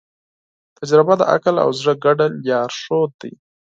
تجربه د عقل او زړه ګډ لارښود دی.